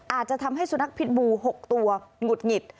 อาจจะทำให้สุนัขพิษบู๖ตัวหงุดหงิด